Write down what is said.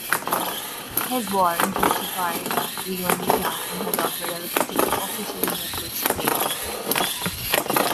As war intensified, Leonida and her daughter relocated to officially neutral Spain.